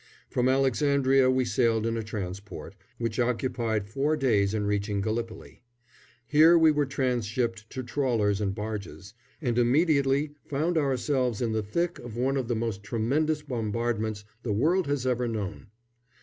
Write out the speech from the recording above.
From Alexandria we sailed in a transport, which occupied four days in reaching Gallipoli. Here we were transhipped to trawlers and barges, and immediately found ourselves in the thick of one of the most tremendous bombardments the world has ever known.